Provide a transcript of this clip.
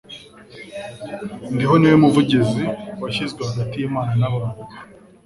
"Ndiho ni we muvugizi washyizwe hagati y'Imana n'abantu,